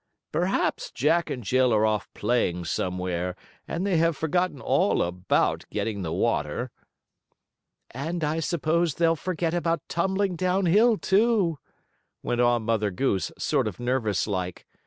"Perhaps Jack and Jill are off playing somewhere, and they have forgotten all about getting the water." "And I suppose they'll forget about tumbling down hill, too," went on Mother Goose, sort of nervous like.